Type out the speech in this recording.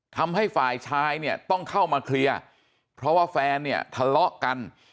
ทำให้ฝ่ายชายเนี่ยต้องเข้ามาเคลียร์เพราะว่าแฟนเนี่ยทะเลาะกัน